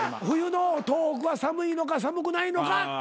冬の東北は寒いのか寒くないのか。